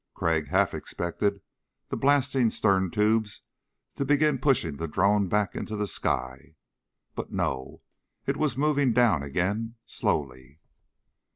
Crag half expected the blasting stern tubes to begin pushing the drone back into the sky. But ... no! It was moving down again, slowly.